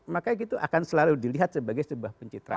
makanya itu akan selalu dilihat sebagai sebuah pencitraan